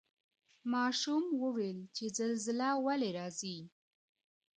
ماشوم وویل چي زلزله ولي راځي؟